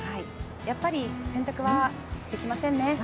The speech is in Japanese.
やっぱり洗濯は、できませんね。